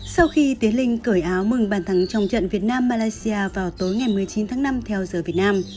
sau khi tiến linh cởi áo mừng bàn thắng trong trận việt nam malaysia vào tối ngày một mươi chín tháng năm theo giờ việt nam